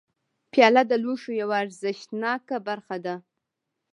پیاله د لوښو یوه ارزښتناکه برخه ده.